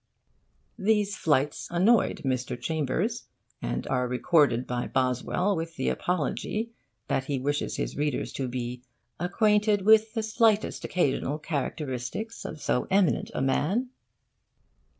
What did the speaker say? These flights annoyed Mr. Chambers, and are recorded by Boswell with the apology that he wishes his readers to be 'acquainted with the slightest occasional characteristics of so eminent a man.